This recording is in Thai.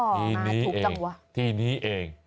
ที่นี้เองที่นี้เอง